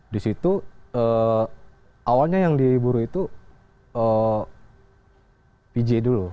di situ awalnya yang diburu itu pj dulu